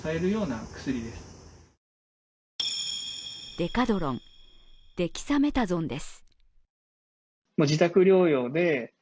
デカドロン＝デキサメタゾンです。